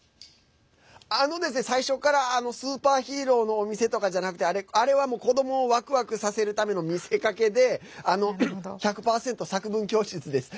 あのですね、最初からスーパーヒーローのお店とかじゃなくてあれは、子どもをワクワクさせるための見せかけで１００％作文教室です。